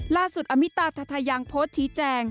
ล่าสุดอมิตาธัทยังโพสต์ชี้แจง